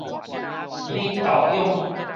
敏豆蛹